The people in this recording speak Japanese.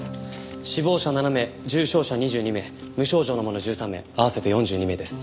死亡者７名重症者２２名無症状の者１３名合わせて４２名です。